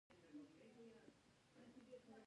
دوښمن که هر څوک وي دوښمن دی